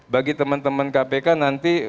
bagi teman teman kpk nanti